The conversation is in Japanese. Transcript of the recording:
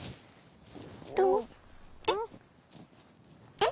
えっ？